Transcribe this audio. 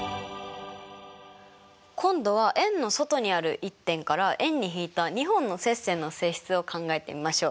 今度は円の外にある１点から円にひいた２本の接線の性質を考えてみましょう。